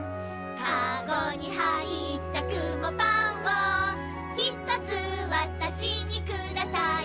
「かごに入ったくもパンを１つわたしにくださいな」